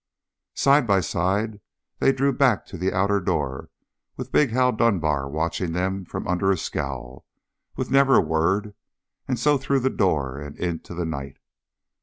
Side by side they drew back to the outer door with big Hal Dunbar watching them from under a scowl, with never a word, and so through the door and into the night.